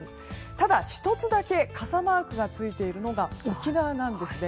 ただ、１つだけ傘マークがついているのが沖縄なんです。